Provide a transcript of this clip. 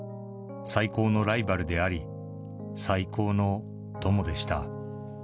最高のライバルであり、最高の友でした。